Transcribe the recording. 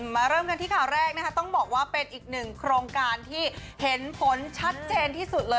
เริ่มกันที่ข่าวแรกนะคะต้องบอกว่าเป็นอีกหนึ่งโครงการที่เห็นผลชัดเจนที่สุดเลย